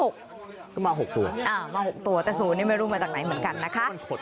ก็มา๖ตัวมา๖ตัวแต่ศูนย์นี้ไม่รู้มาจากไหนเหมือนกันนะคะ